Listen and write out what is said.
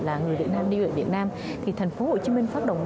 là người việt nam đi về việt nam thì thành phố hồ chí minh phát động